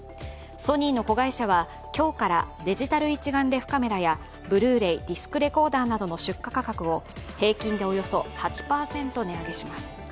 ソニーの子会社は、今日からデジタル一眼レフカメラやブルーレイディスクレコーダーなどの出荷価格を平均およそ８％値上げします。